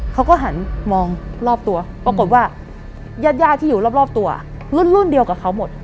เขาก็หันมองรอบตัวปรากฏว่าญาติที่อยู่รอบตัวรุ่นเดียวกับเขาหมด